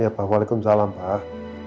iya pak waalaikumsalam pak